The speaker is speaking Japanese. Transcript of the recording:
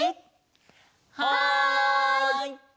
はい！